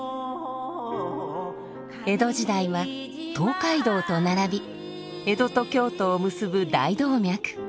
江戸時代は東海道と並び江戸と京都を結ぶ大動脈。